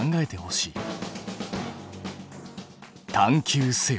探究せよ！